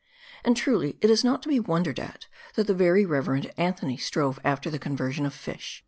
And truly it is not to be wondered at, that the very reverend Anthony strove after the conversion of fish.